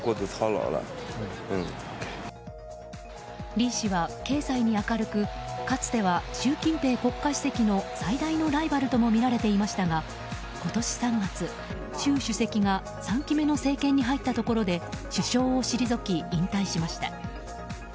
李氏は経済に明るくかつては習近平国家主席の最大のライバルともみられていましたが今年３月、習主席が３期目の政権に入ったところで首相を退き、引退しました。